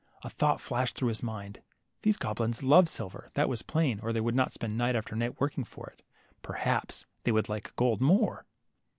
A thought flashed through his mind. These goblins loved silver, that was plain, or they would not spend night after night working for it. Perhaps they would like gold more